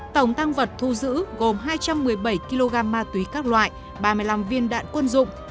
tổng tăng vật thu giữ gồm hai trăm một mươi bảy kg ma túy các loại ba mươi năm viên đạn quân dụng